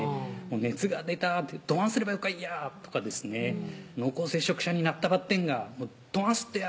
「熱が出たどがんすればよかいや？」とか「濃厚接触者になったばってんがどがんすっとや？」